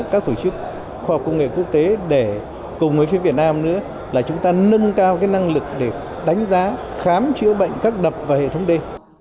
các tổ chức khoa học công nghệ quốc tế để cùng với phía việt nam nữa là chúng ta nâng cao năng lực để đánh giá khám chữa bệnh các đập và hệ thống đê